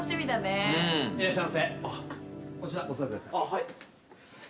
はい。